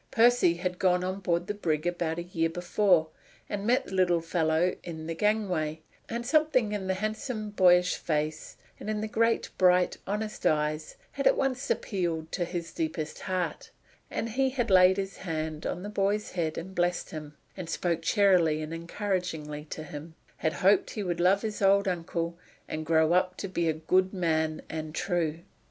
Percy had gone on board the brig about a year before, and met the little fellow in the gangway, and something in the handsome boyish face and in the great bright, honest eyes, had at once appealed to his deepest heart, and he had laid his hand on the boy's head and blessed him, and spoke cheerily and encouragingly to him; had hoped he would love his old uncle and grow up to be a good man and true.